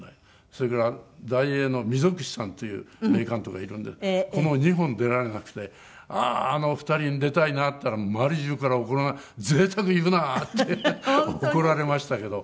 それから大映の溝口さんという名監督がいるんでこの２本出られなくて「あああの２人の出たいな」って言ったら周り中から「贅沢言うな！」って怒られましたけど。